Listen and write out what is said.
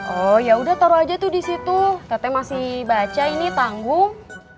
oh ya udah taruh aja tuh di situ teteh masih baca ini tanggung